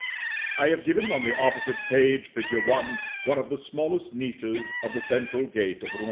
I have given, on the opposite page (fig. 1), one of the smallest niches of the central gate of Rouen.